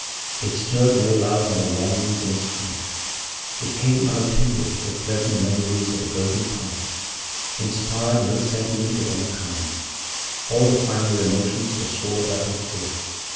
It stirred no love nor longings in his heart; it came unattended with pleasant memories of a golden past inspired no sentiment of any kind; all the finer emotions were swallowed up in fear.